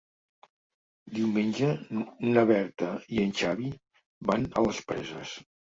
Diumenge na Berta i en Xavi van a les Preses.